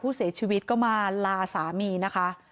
ผู้เสียชีวิตก็มาลาสามีนะคะ